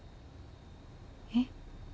えっ？